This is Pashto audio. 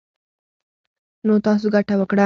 نـو تـاسو ګـټـه وكړه.